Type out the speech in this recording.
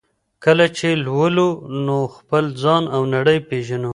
کله چي لولو نو خپل ځان او نړۍ پېژنو.